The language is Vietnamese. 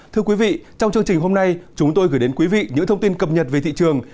thưa quý vị trong chương trình hôm nay chúng tôi gửi đến quý vị những thông tin cập nhật về thị trường